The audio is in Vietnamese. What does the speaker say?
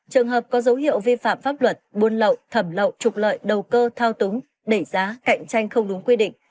trường hợp có dấu hiệu vi phạm pháp luật buôn lậu thẩm lậu trục lợi đầu cơ thao túng đẩy giá cạnh tranh không đúng quy định